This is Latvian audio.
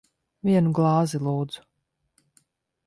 Vienu glāzi. Lūdzu.